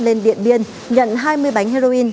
lên điện biên nhận hai mươi bánh heroin